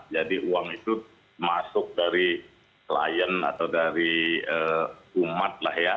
jadi uang itu masuk dari klien atau dari umat lah ya